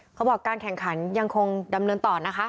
การแข่งขันยังคงดำเนินต่อนะคะ